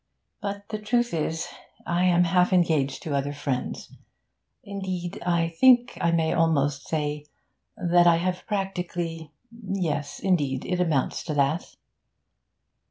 But, the truth is, I am half engaged to other friends. Indeed, I think I may almost say that I have practically...yes, indeed, it amounts to that.'